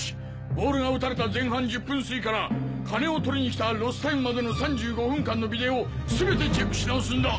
ボールが撃たれた前半１０分過ぎから金を取りに来たロスタイムまでの３５分間のビデオをすべてチェックし直すんだ！